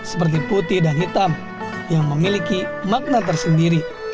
seperti putih dan hitam yang memiliki makna tersendiri